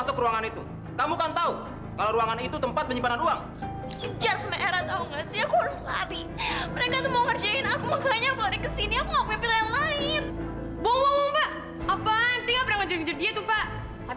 sampai jumpa di video selanjutnya